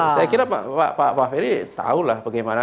saya kira pak ferry tahulah bagaimana